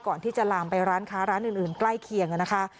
ก่อนที่จะลามไปร้านค้าร้านอื่นใกล้เคียงนะคะ